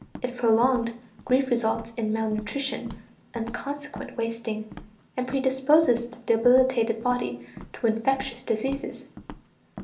If prolonged, grief results in mal nutrition and consequent wasting, and predisposes the debilitated body to infectious diseases.